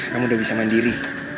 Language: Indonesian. kamu udah bisa mandiri